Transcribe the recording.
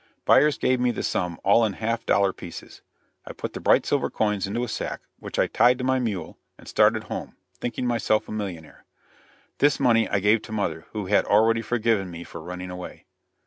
Byers gave me the sum all in half dollar pieces. I put the bright silver coins into a sack, which I tied to my mule, and started home, thinking myself a millionaire. This money I gave to mother, who had already forgiven me for running away.